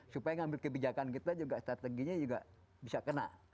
supaya ngambil kebijakan kita juga strateginya juga bisa kena